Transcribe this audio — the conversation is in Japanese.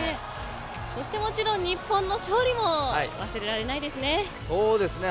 そしてもちろん日本の勝利も忘れられないですね。